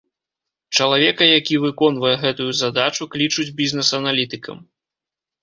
Чалавека, які выконвае гэтую задачу, клічуць бізнес-аналітыкам.